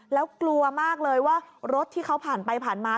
แล้วกลัวมากเลยว่ารถที่เขาผ่านไปผ่านมา